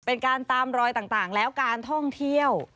เป็นการตามรอยต่างแล้วการท่องเที่ยว